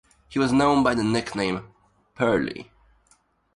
He was known by the nickname "Pearly".